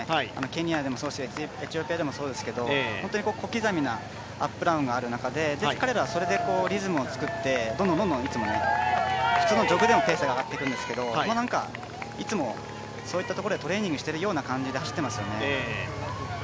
ケニアでもそうですしエチオピアでもそうですけど本当に小刻みなアップダウンがある中で彼らはそれでリズムを作ってどんどん、どんどん普通のジョグでもペースが上がっていくんですけどいつもそういったところでトレーニングしているような感じで走っていますよね。